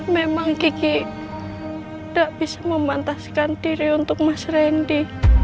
memang kiki gak bisa memantaskan diri untuk mas randy